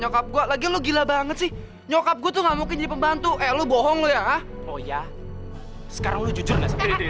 peran berdarah memiliki kebebasan memiliki kegagalan d terrain berbahaya dan kalimantan yang anda saidar